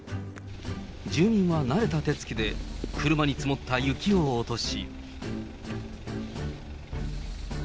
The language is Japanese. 住民は慣れた手つきで、車に積もった雪を落とし。